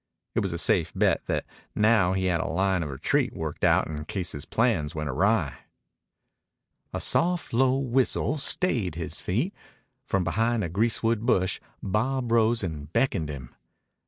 It was a safe bet that now he had a line of retreat worked out in case his plans went awry. A soft, low whistle stayed his feet. From behind a greasewood bush Bob rose and beckoned him.